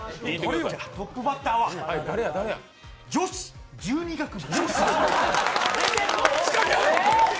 トップバッターは女子十二楽坊。